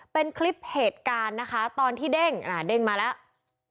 เป็นคลิปเหตุการณ์นะคะตอนที่เด้งเด้งมาแล้ว